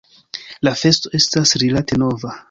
La festo estas rilate nova.